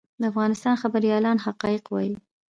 د افغانستان خبریالان حقایق وايي